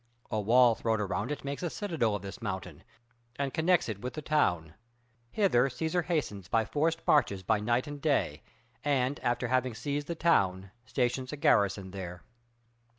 A wall thrown around it makes a citadel of this mountain, and connects it with the town. Hither Cæsar hastens by forced marches by night and day, and after having seized the town, stations a garrison there.